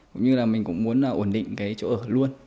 cũng như là mình cũng muốn ổn định cái chỗ ở luôn